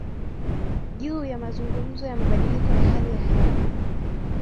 juu ya mazungumzo ya mabadiliko ya hali ya hewa